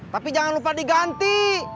tapi jangan lupa diganti